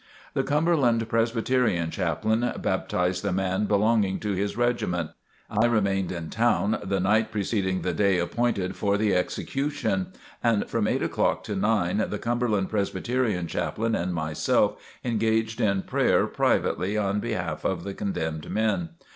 The Cumberland Presbyterian Chaplain baptized the man belonging to his regiment. I remained in town the night preceding the day appointed for the execution, and from eight o'clock to nine, the Cumberland Presbyterian Chaplain and myself engaged in prayer privately in behalf of the condemned men.